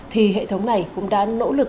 thì hệ thống này cũng đã nỗ lực